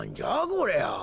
こりゃ。